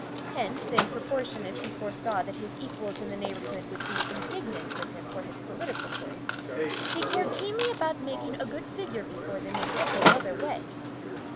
Hence, in proportion as he foresaw his equals in the neighborhood would be indignant with him for his political choice, he cared keenly about making a good figure before them in every other way.